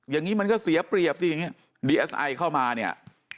อย่างนี้มันก็เสียเปรียบสิอย่างนี้ดีเอสไอเข้ามาเนี่ย